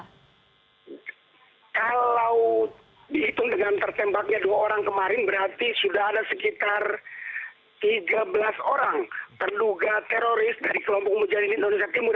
kalau dihitung dengan tertembaknya dua orang kemarin berarti sudah ada sekitar tiga belas orang terduga teroris dari kelompok mujadin indonesia timur